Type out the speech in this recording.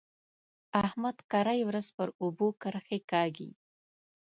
احمد کرۍ ورځ پر اوبو کرښې کاږي.